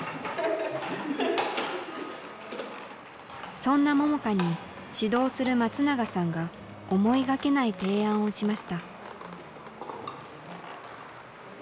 そんな桃佳に指導する松永さんが思いがけない提案をしました。